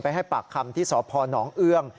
ให้ปากคำที่สพนเอื้อง